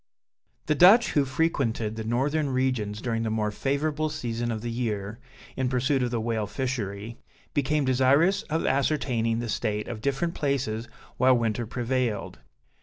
The Dutch who frequented the northern regions during the more favorable season of the year, in pursuit of the whale fishery, became desirous of ascertaining the state of different places while winter prevailed.